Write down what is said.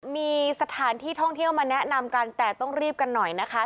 มีสถานที่ท่องเที่ยวมาแนะนำกันแต่ต้องรีบกันหน่อยนะคะ